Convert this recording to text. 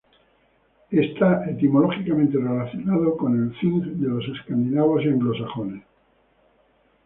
Está etimológicamente relacionada con el "thing" de los escandinavos y anglosajones.